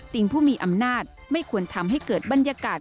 ผู้มีอำนาจไม่ควรทำให้เกิดบรรยากาศ